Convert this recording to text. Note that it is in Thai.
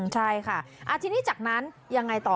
ใช่ค่ะทีนี้จากนั้นยังไงต่อ